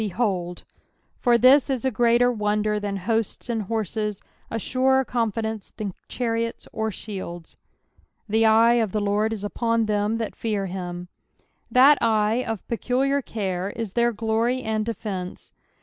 Behold." For this is a greater wonder than hosts and horses, a suTh confidence than chariota or shields, " I^ ef/e of the Zord is vpon them that fear him.'''' That eye of peculiar care is tlieir glory and defence.